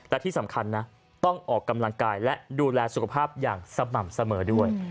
และที่สำคัญนะต้องออกกำลังกายและดูแลสุขภาพอย่างสม่ำเสมอด้วย